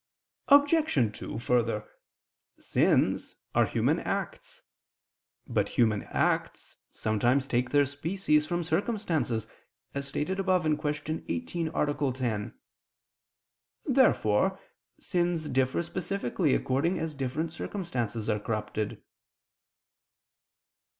Obj. 2: Further, sins are human acts. But human acts sometimes take their species from circumstances, as stated above (Q. 18, A. 10). Therefore sins differ specifically according as different circumstances are corrupted.